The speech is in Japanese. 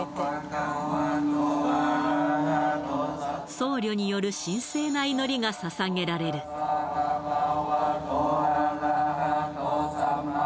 僧侶による神聖な祈りが捧げられるあ